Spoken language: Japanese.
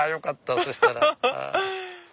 そしたら。